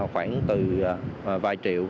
khoảng từ vài triệu